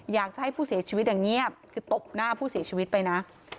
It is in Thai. อยากจะให้ผู้เสียชีวิตอย่างเงียบคือตบหน้าผู้เสียชีวิตไปนะ